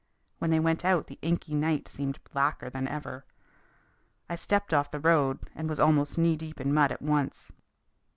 When they went out the inky night seemed blacker than ever. I stepped off the road and was almost knee deep in mud at once.